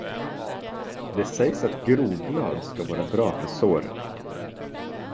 Det sägs att groblad ska vara bra för sår.